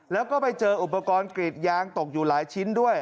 แล้วก็ไปเจออุปกรณ์กรีดยางตกอยู่หลายชิ้นด้วย